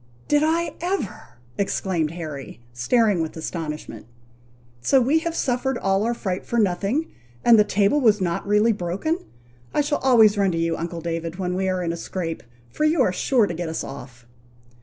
"Did I ever !" exclaimed Harry, staring with astonishment, "so we have suffered all our fright for nothing, and the table was not really broken! I shall always run to you, uncle David, when we are in a scrape, for you are sure to get us off."